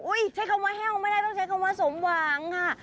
ใช้คำว่าแห้วไม่ได้ต้องใช้คำว่าสมหวังค่ะ